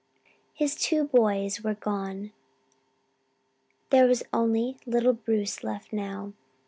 His two boys were gone there was only little Bruce left now.